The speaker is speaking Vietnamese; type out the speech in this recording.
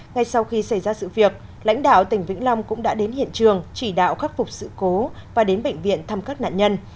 ngay sau khi xảy ra sự việc lãnh đạo tỉnh vĩnh long cũng đã đến hiện trường chỉ đạo khắc phục sự cố và đến bệnh viện thăm các nạn nhân